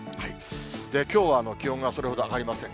きょうは気温がそれほど上がりません。